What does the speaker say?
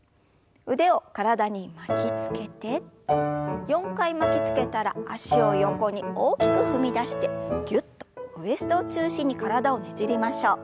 腕を体に巻きつけて４回巻きつけたら脚を横に大きく踏み出してぎゅっとウエストを中心に体をねじりましょう。